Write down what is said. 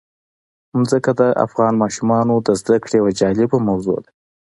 ځمکه د افغان ماشومانو د زده کړې یوه جالبه موضوع ده.